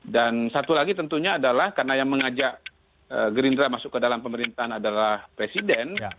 dan satu lagi tentunya adalah karena yang mengajak gerindra masuk ke dalam pemerintahan adalah presiden